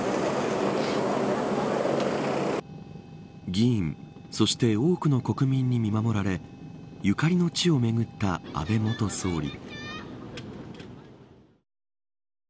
議員そして多くの国民に見守られゆかりの地を巡った安倍元総理。